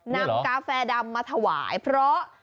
กาแฟดำมาถวายเพราะ